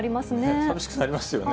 さみしくなりますよね。